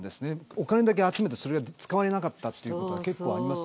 お金だけ集めて使われなかったというのが結構あります。